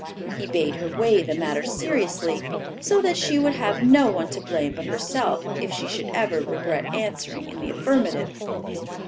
He bade her weigh the matter seriously, so that she would have no one to blame but herself, if she should ever regret answering in the affirmative.